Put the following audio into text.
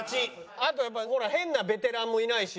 あとやっぱりほら変なベテランもいないし。